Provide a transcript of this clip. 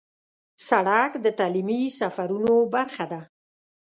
سړک د تعلیمي سفرونو برخه ده.